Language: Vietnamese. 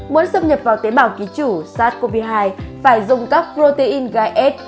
muốn xâm nhập vào tế bào ký chủ sars cov hai phải dùng các protein gai s